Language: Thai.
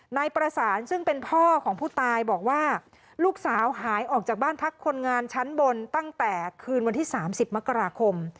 นายประสานซึ่งเป็นพ่อของผู้ตายบอกว่าลูกสาวหายออกจากบ้านพักคนงานชั้นบนตั้งแต่คืนวันที่๓๐มกราคม